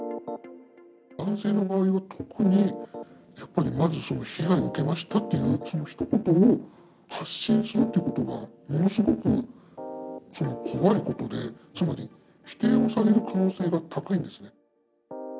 男性の場合は特に、やっぱりまず被害を受けましたっていう、そのひと言を発信するっていうことが、ものすごく怖いことで、つまり、否定をされる可能性が高いんですね。